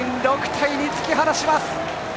６対２と突き放します！